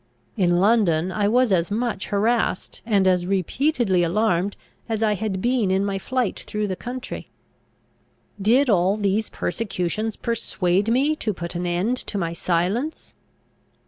In London I was as much harassed and as repeatedly alarmed as I had been in my flight through the country. Did all these persecutions persuade me to put an end to my silence?